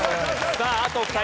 さああと２人。